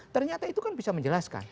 ternyata itu kan bisa menjelaskan